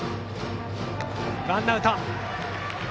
ワンアウト。